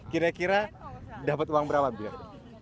kira kira dapat uang berapa biar